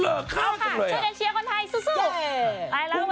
โอ้ค่ะฉันจะเชียร์บอนไทยซู่ซู่